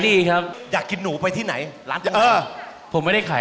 คุณเห็นอย่างงี้นะครับอาชีพก็คือผัดหนูขาย